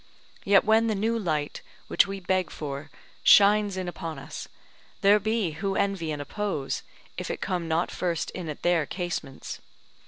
Yet when the new light which we beg for shines in upon us, there be who envy and oppose, if it come not first in at their casements.